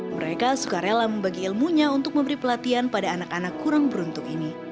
mereka suka rela membagi ilmunya untuk memberi pelatihan pada anak anak kurang beruntung ini